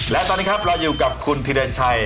และตอนนี้ครับเราอยู่กับคุณธิรชัย